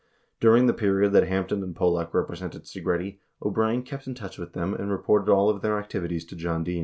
88 During the period that Hampton and Pollock represented Segretti, O'Brien kept in touch with them and reported all of their activities to John Dean.